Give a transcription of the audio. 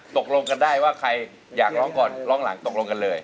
ตกลงกันได้ว่าใครกดหลังก็ตกลงกันเลย